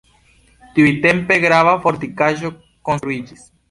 Tiutempe grava fortikaĵo konstruiĝis.